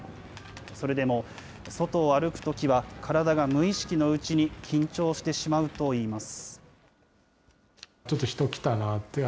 それでも外を歩くときは、体が無意識のうちに緊張してしまうといいます。